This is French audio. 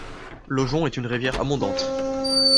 L'Aujon est une rivière abondante.